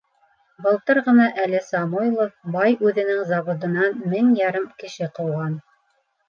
Былтыр ғына әле Самойлов бай үҙенең заводынан мең ярым кеше ҡыуған.